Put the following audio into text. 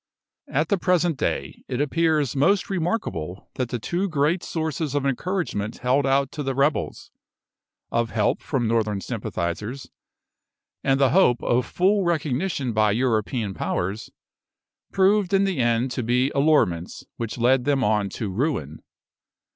At the present day, it appears most remarkable that the two great sources of encouragement held out to the rebels of help from Northern sympathisers, and the hope of full recognition by European powers proved in the end to be allurements which led them on to ruin.